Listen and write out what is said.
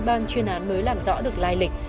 ban chuyên án mới làm rõ được lai lịch